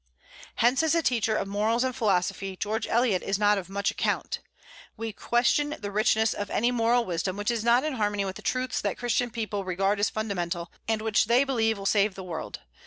Hence, as a teacher of morals and philosophy George Eliot is not of much account. We question the richness of any moral wisdom which is not in harmony with the truths that Christian people regard as fundamental, and which they believe will save the world.